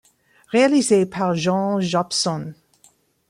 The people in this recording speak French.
Réalisé par John Jopson.